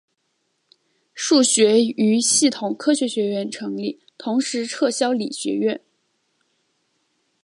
数学与系统科学学院成立同时撤销理学院。